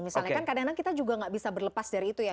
misalnya kan kadang kadang kita juga nggak bisa berlepas dari itu ya